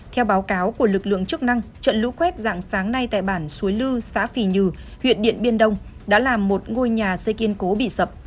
theo báo cáo của lực lượng chức năng trận lũ quét dạng sáng nay tại bản suối lư xã phì nhừ huyện điện biên đông đã làm một ngôi nhà xây kiên cố bị sập